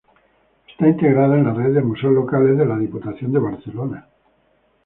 Está integrado en la Red de Museos Locales de la Diputación de Barcelona.